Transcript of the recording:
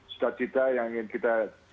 cita cita yang ingin kita